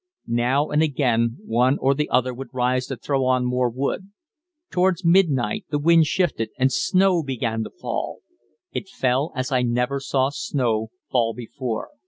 Now and again one or the other would rise to throw on more wood. Towards midnight the wind shifted, and snow began to fall. It fell as I never saw snow fall before.